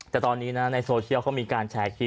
แต่ตอนนี้นะในโซเชียลเขามีการแชร์คลิป